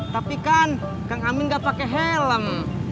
tapi kan kang amin nggak pake helm